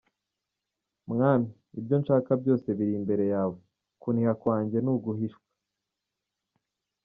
Mwami, ibyo nshaka byose biri imbere yawe, Kuniha kwanjye ntuguhishwa.